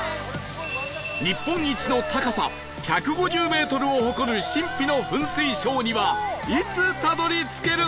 日本一の高さ１５０メートルを誇る神秘の噴水ショーにはいつたどり着けるのか？